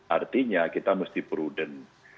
artinya kita mesti prudent